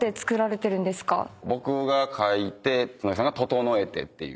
僕が書いて角井さんが整えてっていう。